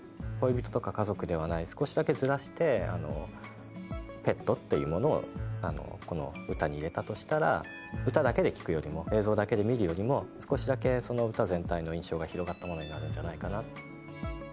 恋人とか家族ではない少しだけずらしてペットっていうものをこの歌に入れたとしたら歌だけで聴くよりも映像だけで見るよりも少しだけ歌全体の印象が広がったものになるんじゃないかな。